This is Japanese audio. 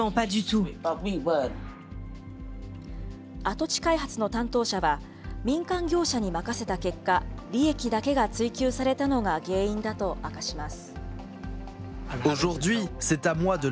跡地開発の担当者は、民間業者に任せた結果、利益だけが追求されたのが原因だと明かします。